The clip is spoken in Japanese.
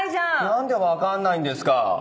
何で分かんないんですか？